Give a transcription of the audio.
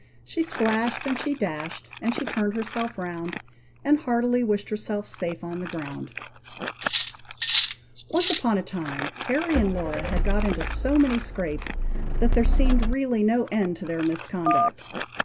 She splashed, and she dashed, and she turned herself round, And heartily wished herself safe on the ground. Once upon a time Harry and Laura had got into so many scrapes, that there seemed really no end to their misconduct.